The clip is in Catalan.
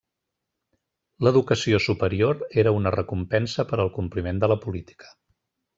L'educació superior era una recompensa per al compliment de la política.